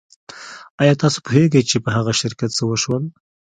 ایا تاسو پوهیږئ چې په هغه شرکت څه شول